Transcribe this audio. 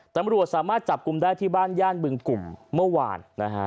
ตำรวจสามารถจับกลุ่มได้ที่บ้านย่านบึงกลุ่มเมื่อวานนะฮะ